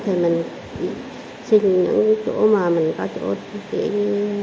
thì mình xin những chỗ mà mình có chỗ tiện